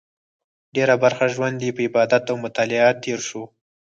ډېره برخه ژوند یې په عبادت او مطالعه تېر شو.